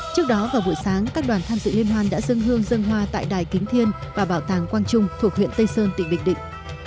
trước đó vào buổi sáng các đoàn tham dự liên hoan đã dân hương dân hoa tại đài kính thiên và bảo tàng quang trung thuộc huyện tây sơn tỉnh bình định